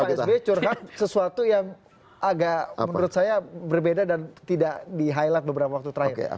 pak sby curhat sesuatu yang agak menurut saya berbeda dan tidak di highlight beberapa waktu terakhir